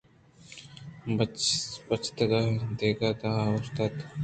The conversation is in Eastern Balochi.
بچکّ دِہ دِہ ءَ اوشتات